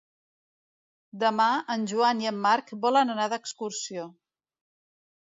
Demà en Joan i en Marc volen anar d'excursió.